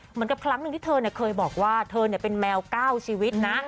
เหมือนกับครั้งหนึ่งที่เธอเคยบอกว่าเธอเป็นแมว๙ชีวิตนะ